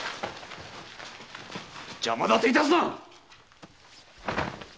邪魔だて致すな！